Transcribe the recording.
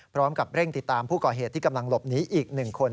พร้อมกับเร่งติดตามผู้ก่อเหตุที่กำลังหลบหนีอีก๑คน